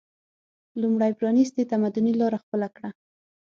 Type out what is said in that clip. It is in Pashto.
لومړی پرانیستي تمدني لاره خپله کړه